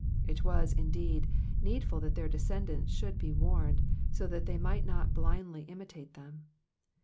It was, indeed, needful that their descendants should be warned, so that they might not blindly imitate them.